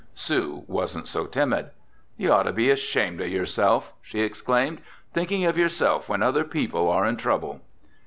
Sue wasn't so timid. "You ought to be ashamed of yourself!" she exclaimed. "Thinking of yourself when other people are in trouble!"